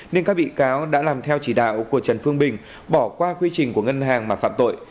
nên các bị cáo đã làm theo chỉ đạo của trần phương bình bỏ qua quy trình của ngân hàng mà phạm tội